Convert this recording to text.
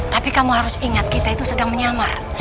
tapi kamu harus ingat kita itu sedang menyamar